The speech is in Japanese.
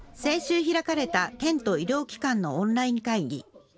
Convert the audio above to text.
先週開かれた県と医療機関のオンライン会議。